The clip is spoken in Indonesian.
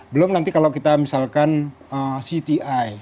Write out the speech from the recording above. belum nanti kalau kita misalkan cti